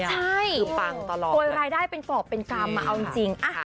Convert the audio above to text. ใช่โปรยายได้เป็นขอบเป็นกรรมมาเอาจริง